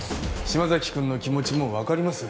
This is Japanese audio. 島崎くんの気持ちもわかります。